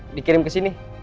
minta dikirim kesini